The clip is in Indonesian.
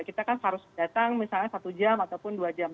kita kan harus datang misalnya satu jam ataupun dua jam